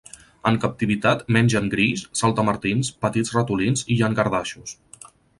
En captivitat, mengen grills, saltamartins, petits ratolins i llangardaixos.